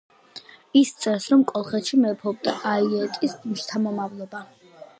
ის წერს რომ კოლხეთში მეფობდა აიეტის შთამომავლობა.